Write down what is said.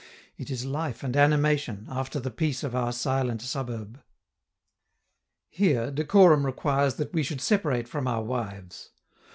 It is life and animation, after the peace of our silent suburb. Here, decorum requires that we should separate from our wives.